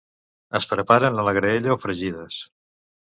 Es preparen a la graella o fregides.